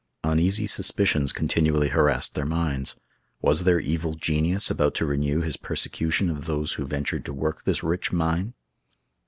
Uneasy suspicions continually harassed their minds. Was their evil genius about to renew his persecution of those who ventured to work this rich mine?